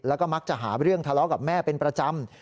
แล้วก็มักจะหาเรื่องทะเลาะกับแม่เป็นประจำ